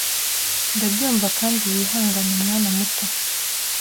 Ndabyumva kandi wihangane mwana muto